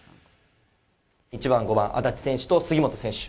１番、５番、安達選手と杉本選手。